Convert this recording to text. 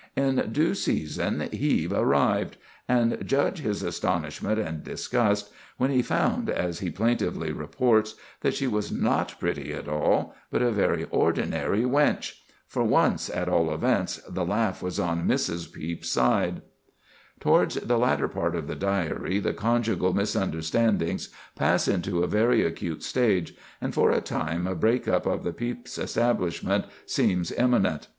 In due season, Hebe arrived; and judge his astonishment and disgust, when he found, as he plaintively reports, that she was not pretty at all, but a very ordinary wench! For once, at all events, the laugh was on Mrs. Pepys's side. Towards the latter part of the Diary the conjugal misunderstandings pass into a very acute stage, and for a time a break up of the Pepys establishment seems imminent.